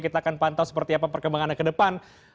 kita akan pantau seperti apa perkembangan yang ke depan